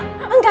gak ada gak ada